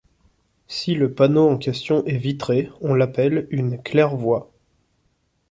Si le panneau en question est vitré on l'appelle une claire-voie.